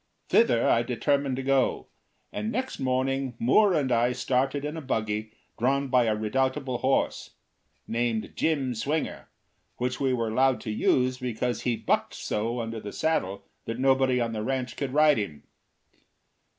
Thither I determined to go, and next morning Moore and I started in a buggy drawn by a redoubtable horse, named Jim Swinger, which we were allowed to use because he bucked so under the saddle that nobody on the ranch could ride him.